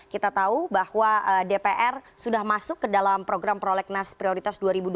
kita tahu bahwa dpr sudah masuk ke dalam program prolegnas prioritas dua ribu dua puluh